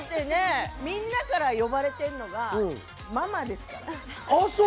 みんなから呼ばれているのがママですから。